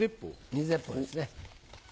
水鉄砲ですね。